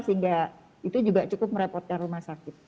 sehingga itu juga cukup merepotkan rumah sakit